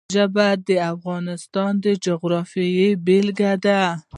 ژبې د افغانستان د جغرافیې بېلګه ده.